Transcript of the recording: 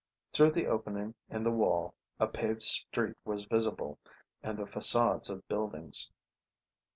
Through the opening in the wall a paved street was visible, and the facades of buildings.